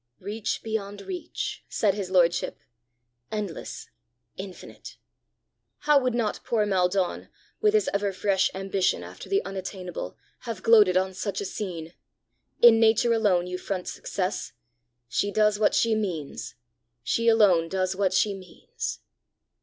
"Reach beyond reach!" said his lordship; "endless! infinite! How would not poor Maldon, with his ever fresh ambition after the unattainable, have gloated on such a scene! In Nature alone you front success! She does what she means! She alone does what she means!"